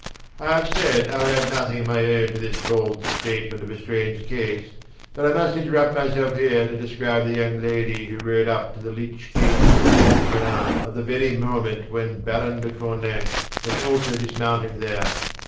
I have said I would add nothing of my own to this bald statement of a strange case; but I must interrupt myself here to describe the young lady who rode up to the lych gate of Locronan at the very moment when the Baron de Cornault was also dismounting there.